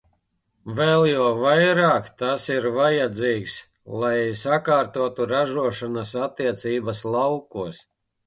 Vēl jo vairāk tas ir vajadzīgs, lai sakārtotu ražošanas attiecības laukos.